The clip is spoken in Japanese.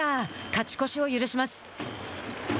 勝ち越しを許します。